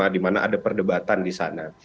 di mana ada perdebatan di sana